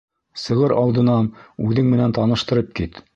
Сығыр алдынан үҙең менән таныштырып кит.